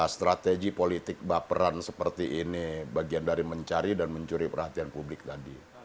strategi politik baperan seperti ini bagian dari mencari dan mencuri perhatian publik tadi